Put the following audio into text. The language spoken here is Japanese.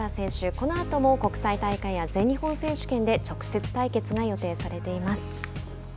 このあとも国際大会や全日本選手権で直接対決が予定されています。